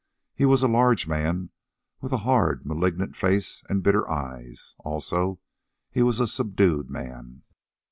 He was a large man, with a hard, malignant face and bitter eyes. Also, he was a subdued man.